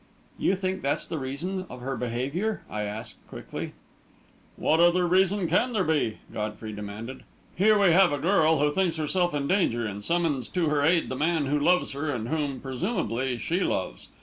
"You think that's the reason of her behaviour?" I asked, quickly. "What other reason can there be?" Godfrey demanded. "Here we have a girl who thinks herself in danger and summons to her aid the man who loves her and whom, presumably, she loves.